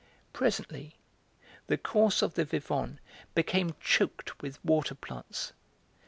Presently the course of the Vivonne became choked with water plants.